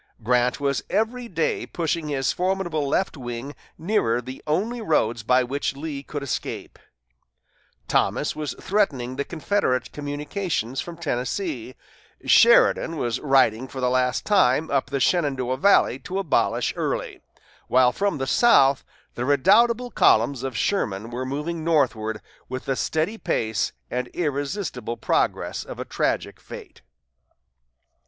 Grant was every day pushing his formidable left wing nearer the only roads by which Lee could escape; Thomas was threatening the Confederate communications from Tennessee; Sheridan was riding for the last time up the Shenandoah valley to abolish Early; while from the south the redoubtable columns of Sherman were moving northward with the steady pace and irresistible progress of a tragic fate.